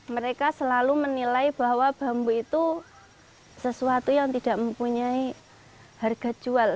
mereka selalu menilai bahwa bambu itu sesuatu yang tidak mempunyai harga jual